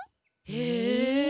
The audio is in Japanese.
へえ。